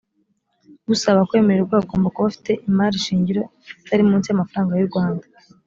usaba kwemererwa agomba kuba afite imarishingiro itari munsi y amafaranga y u rwanda